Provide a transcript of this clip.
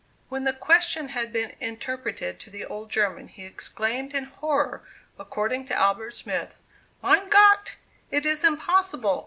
When the question had been interpreted to the old German, he exclaimed in horror, according to Albert Smith: "Mine Gott! it is impossible!